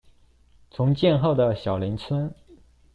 重建後的小林村